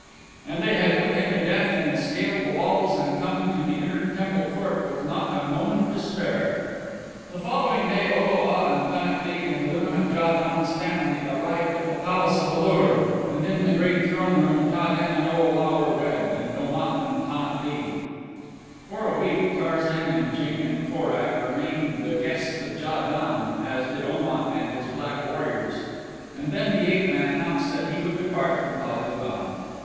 And they had put him to death and scaled the walls and come to the inner temple court with not a moment to spare. The following day O lo a and Pan at lee and the women of Ja don's family arrived at the palace at A lur and in the great throneroom Ta den and O lo a were wed, and Om at and Pan at lee. For a week Tarzan and Jane and Korak remained the guests of Ja don, as did Om at and his black warriors. And then the ape man announced that he would depart from Pal ul don.